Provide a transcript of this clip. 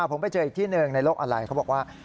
ผมไปเจออีกที่หนึ่งในโลกออนไลน์เขาบอกว่า